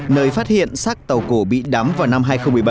nơi phát hiện xác tàu cổ bị đắm vào năm hai nghìn một mươi bảy